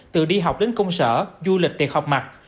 từ đi học đến công sở du lịch tiền học mặt